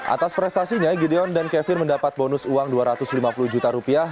atas prestasinya gideon dan kevin mendapat bonus uang dua ratus lima puluh juta rupiah